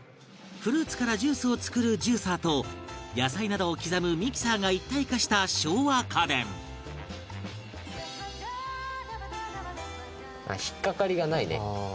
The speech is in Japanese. フルーツからジュースを作るジューサーと野菜などを刻むミキサーが一体化した昭和家電隆貴君：引っ掛かりがないね。